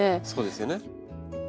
そうですよね。